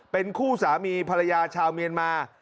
เป็นคู่สามีภรรยาชาวเมียนมา